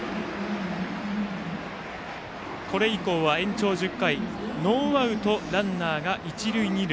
これ以降は延長１０回ノーアウトランナーが一塁二塁。